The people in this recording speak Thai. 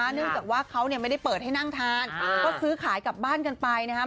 เนื่องจากว่าเขาเนี่ยไม่ได้เปิดให้นั่งทานก็ซื้อขายกลับบ้านกันไปนะครับ